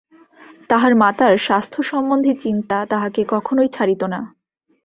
তাহার মাতার স্বাস্থ্য সম্বন্ধে চিন্তা তাহাকে কখনোই ছাড়িত না।